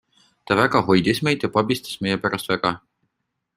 Ta väga hoidis meid ja pabistas meie pärast väga.